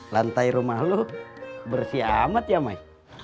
lantai rumah lo bersih amat ya mas